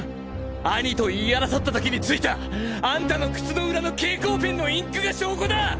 兄と言い争った時についたあんたの靴の裏の蛍光ペンのインクが証拠だ！！